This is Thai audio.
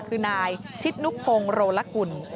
คือนายทิศนุกพงษ์โรละกุล